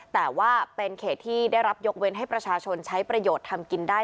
แต่ว่าเป็นเขตที่ได้รับยกเว้นให้ประชาชนใช้ประโยชน์ทำกินได้